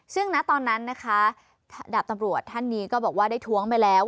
ซึ่งณตอนนั้นนะคะดาบตำรวจท่านนี้ก็บอกว่าได้ท้วงไปแล้ว